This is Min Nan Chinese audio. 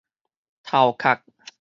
頭殼